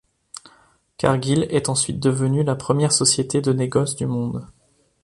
Cargill est ensuite devenu la première société de négoce du monde.